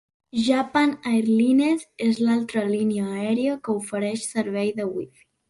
Japan Airlines és l'altra línia aèria que ofereix servei de wifi.